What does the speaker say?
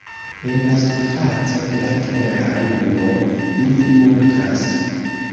En la surfaco de la Tera Luno ili multas.